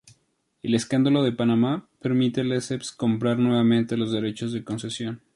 El escándalo de Panamá permite Lesseps comprar nuevamente los derechos de la concesión.